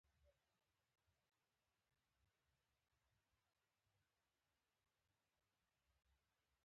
ما ورته وویل: کېدای شي پر موږ یې زړه وسوځي او داسې ونه کړي.